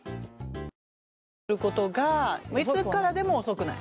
ケアをすることがいつからでも遅くない。